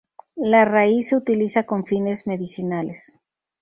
La raíz se utiliza con fines medicinales.